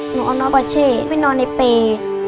หนูเอาน้องบอเช่ไปนอนในเปย์